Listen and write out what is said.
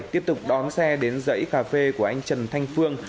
tiếp tục đón xe đến dãy cà phê của anh trần thanh phương